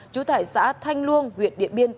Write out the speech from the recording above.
chú thải xã thanh luông nguyễn điện biên